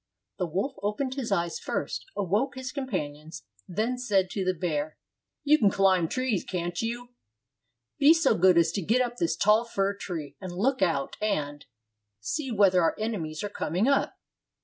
The wolf opened his eyes first, awoke his companions, and said to the bear, "You can climb trees, can't you? Be so good as to get up this tall fir tree, and look out and 383 AUSTRIA HUNGARY see whether our enemies are coming on."